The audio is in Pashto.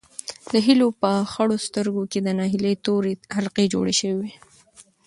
د هیلې په خړو سترګو کې د ناهیلۍ تورې حلقې جوړې شوې وې.